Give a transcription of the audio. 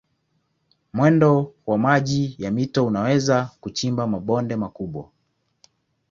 Mwendo wa maji ya mito unaweza kuchimba mabonde makubwa.